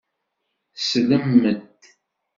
Slem-d!